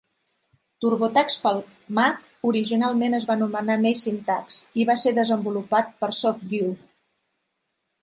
TurboTax per al Mac originalment es va anomenar MacinTax, i va ser desenvolupat per SoftView.